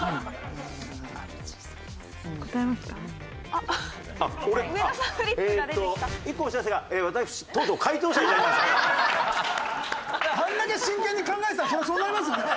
あんだけ真剣に考えてたらそりゃそうなりますよね。